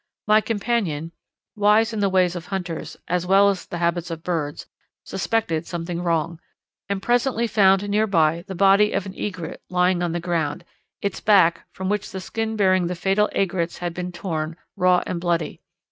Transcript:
My companion, wise in the ways of hunters, as well as the habits of birds, suspected something wrong and presently found nearby the body of an Egret lying on the ground, its back, from which the skin bearing the fatal aigrettes had been torn, raw and bloody.